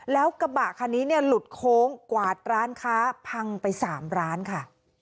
แล้วกระบะคันนี้เนี่ยหลุดโค้งกวาดร้านค้าพังไป๓ร้านค่ะ